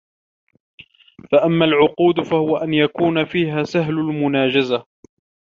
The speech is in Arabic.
فَأَمَّا الْعُقُودُ فَهُوَ أَنْ يَكُونَ فِيهَا سَهْلَ الْمُنَاجَزَةِ